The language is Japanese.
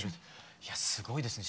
いやすごいですね